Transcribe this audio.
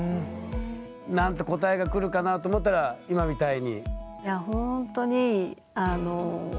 何て答えがくるかなと思ったら今みたいに？